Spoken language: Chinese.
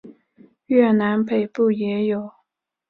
越南北部也有。